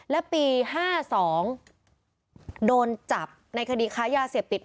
และปี๕๒โดนจับในคดีค้ายาเสพติด